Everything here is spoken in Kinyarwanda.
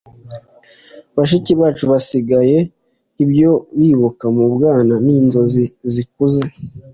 bashiki bacu basangiye ibyo bibuka mu bwana n' inzozi zikuze